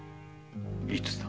いつだ。